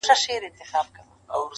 پروسه ګڼل کېږي